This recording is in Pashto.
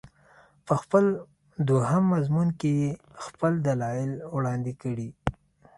په خپل دوهم مضمون کې یې خپل دلایل وړاندې کړي.